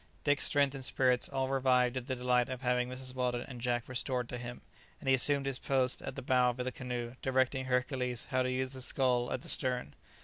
Dick's strength and spirits all revived at the delight of having Mrs. Weldon and Jack restored to him, and he assumed his post at the bow of the canoe, directing Hercules how to use the scull at the stern.